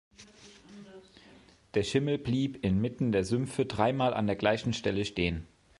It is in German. Der Schimmel blieb inmitten der Sümpfe dreimal an der gleichen Stelle stehen.